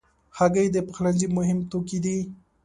هګۍ د پخلنځي مهم توکي دي.